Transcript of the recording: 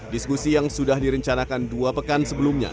diskusi yang sudah direncanakan dua pekan sebelumnya